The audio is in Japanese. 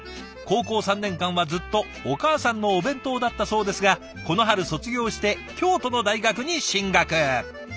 高校３年間はずっとお母さんのお弁当だったそうですがこの春卒業して京都の大学に進学。